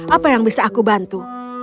apa yang bisa aku bantu